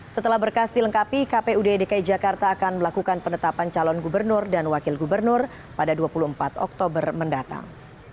setelah berkas dilengkapi kpud dki jakarta akan melakukan penetapan calon gubernur dan wakil gubernur pada dua puluh empat oktober mendatang